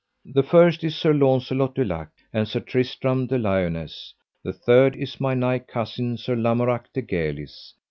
The first is Sir Launcelot du Lake, and Sir Tristram de Liones, the third is my nigh cousin, Sir Lamorak de Galis.